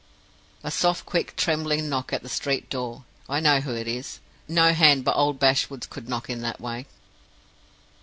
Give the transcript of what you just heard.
"A soft, quick, trembling knock at the street door! I know who it is. No hand but old Bashwood's could knock in that way."